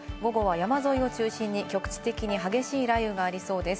午後は山沿いを中心に局地的に激しい雷雨がありそうです。